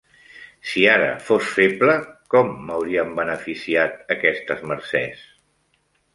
Si ara fos feble, com m'haurien beneficiat aquestes mercès?